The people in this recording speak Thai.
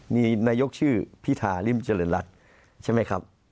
มีนายกชื่อพิธาริมเจริญรัฐใช่ไหมครับ